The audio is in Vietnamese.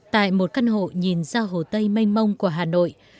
tại một căn hộ nhìn ra hồ tây mênh mông của hà nội